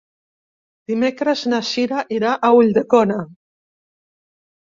Dimecres na Cira irà a Ulldecona.